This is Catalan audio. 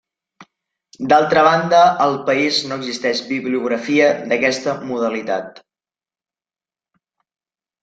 D'altra banda, al país no existeix bibliografia d'aquesta modalitat.